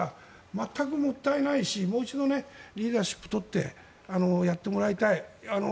全くもったいないしもう一度リーダーシップを取ってやってもらいたい。